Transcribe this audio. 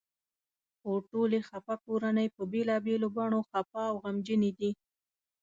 خو ټولې خپه کورنۍ په بېلابېلو بڼو خپه او غمجنې دي.